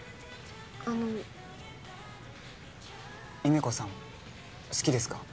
あの優芽子さん好きですか？